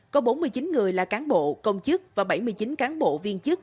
có bốn mươi chín người là cán bộ công chức và bảy mươi chín cán bộ viên chức